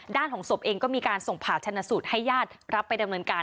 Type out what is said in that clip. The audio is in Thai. ของศพเองก็มีการส่งผ่าชนะสูตรให้ญาติรับไปดำเนินการ